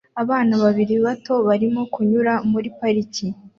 Abana babiri bato barimo kunyura muri parike